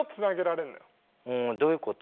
うんどういうこと？